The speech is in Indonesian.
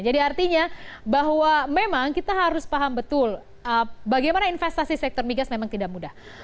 jadi artinya bahwa memang kita harus paham betul bagaimana investasi sektor migas memang tidak mudah